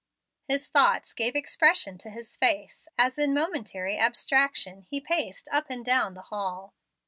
His thoughts gave expression to his face, as in momentary abstraction he paced up and down the hall.